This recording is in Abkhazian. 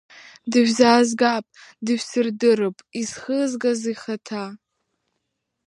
Дышәзаазгап, дышәсырдырып изхызгаз ихаҭа.